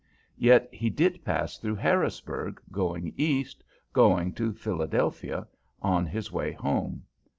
Yet he did pass through Harrisburg, going East, going to Philadelphia, on his way home.